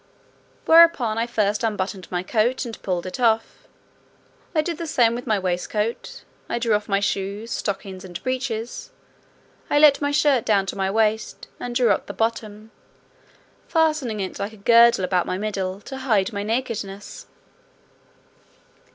Whereupon I first unbuttoned my coat, and pulled it off. I did the same with my waistcoat. I drew off my shoes, stockings, and breeches. I let my shirt down to my waist, and drew up the bottom; fastening it like a girdle about my middle, to hide my nakedness.